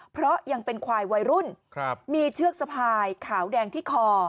เพราะยังเป็นควายวัยรุ่นมีเชือกสะพายขาวแดงที่คอ